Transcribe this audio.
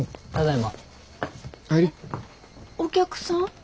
お客さん？